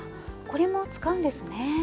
これも使うんですね。